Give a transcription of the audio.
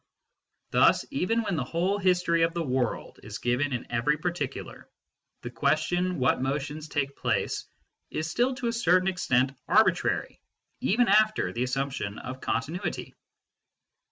Thus even when the whole history of the world is given in every particular, the question what motions take place is still to a certain extent arbitrary even after the assumption of continuity.